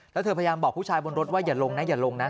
แล้วเธอพยายามบอกผู้ชายบนรถว่าอย่าลงนะอย่าลงนะ